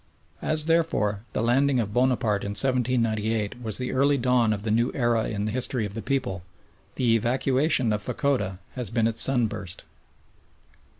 As, therefore, the landing of Bonaparte in 1798 was the early dawn of the new era in the history of the people, the evacuation of Fachoda has been its sunburst.